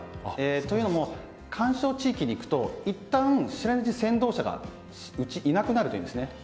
というのも、緩衝地域に行くといったん先導車がいなくなるんですね。